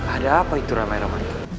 ada apa itu ramai ramai